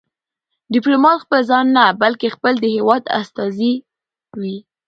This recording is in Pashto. ډيپلومات خپل ځان نه، بلکې خپل د هېواد استازی وي.